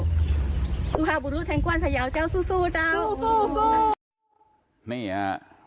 สุฮาบุรุษแทงกว้านพยาวเจ้าสู้สู้เจ้าสู้สู้สู้